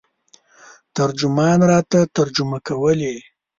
ترجمان راته ترجمه کولې.